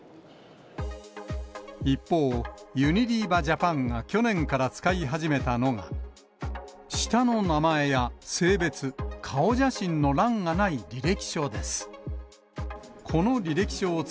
一方、ユニリーバ・ジャパンが去年から使い始めたのが、下の名前や性別、顔写真の欄がない履歴書です。